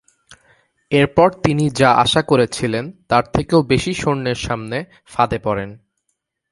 এরপর তিনি যা আশা করেছিলেন তার থেকেও বেশি সৈন্যের সামনে ফাঁদে পড়েন।